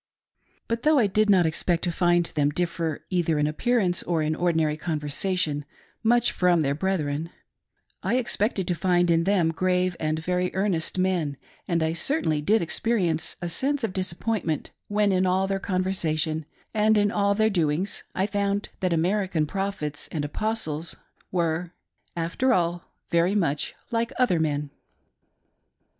But though I did not expect to find them differ, either in appearance or in ordinary conversation, much from their brethren, I expected to find in them grave and very earnest men, and I certainly did experi ence a sense of disappointment when, in all their conversa tion and in all their doings, I found that American Prophets and Apostles were, after all, very much like other men.